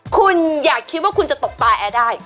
คุณอย่าคิดว่าคุณจะตกตาแอร์ได้